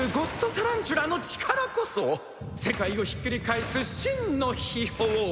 タランチュラの力こそ世界をひっくり返す真の秘宝！